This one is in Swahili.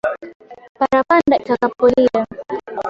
Parapanda itakapolia